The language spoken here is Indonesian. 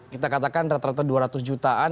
kita katakan rata rata dua ratus jutaan